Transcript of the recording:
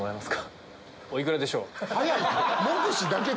早い！